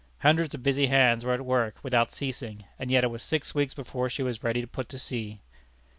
Hundreds of busy hands were at work without ceasing, and yet it was six weeks before she was ready to put to sea.